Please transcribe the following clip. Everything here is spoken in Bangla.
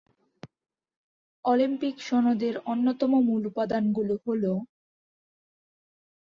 অলিম্পিক সনদের অন্যতম মূল উপাদানগুলো হলঃ